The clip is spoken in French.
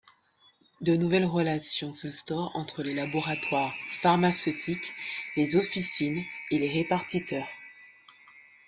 De nouvelles relations s’instaurent entre les laboratoires pharmaceutiques, les officines et les répartiteurs.